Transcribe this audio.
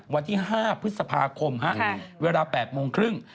วันที่๕พฤษภาคมเวลา๘โมงครึ่ง